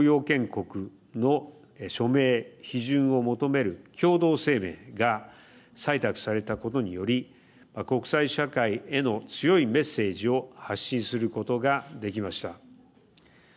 国の署名批准を求める共同声明が採択されたことにより国際社会への強いメッセージを発信することができました。